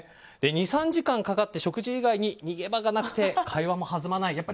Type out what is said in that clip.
２３時間かかって食事以外に逃げ場がなくて会話も弾まない